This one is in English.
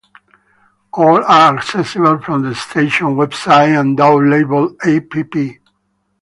All are accessible from the station website and downloadable app.